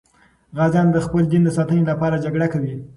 غازیان د خپل دین د ساتنې لپاره جګړه کوي.